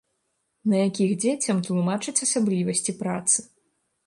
На якіх дзецям тлумачаць асаблівасці працы.